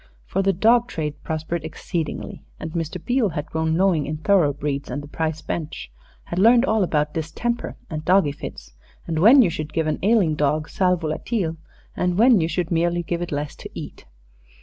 For the dog trade prospered exceedingly, and Mr. Beale had grown knowing in thoroughbreeds and the prize bench, had learned all about distemper and doggy fits, and when you should give an ailing dog sal volatile and when you should merely give it less to eat.